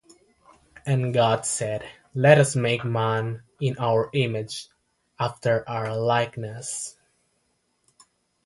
And God said, Let us make man in our image, after our likeness: